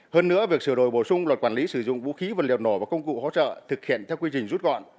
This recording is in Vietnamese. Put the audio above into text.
hơn nữa việc sửa đổi bổ sung luật quản lý sử dụng vũ khí vật liệu nổ và công cụ hỗ trợ thực hiện theo quy trình rút gọn